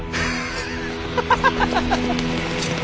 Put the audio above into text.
ハハハハ！